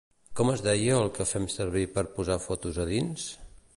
Com es deia el que fem servir per posar fotos a dins?